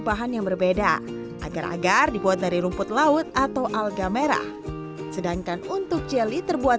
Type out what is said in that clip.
bahan yang berbeda agar agar dibuat dari rumput laut atau alga merah sedangkan untuk jelly terbuat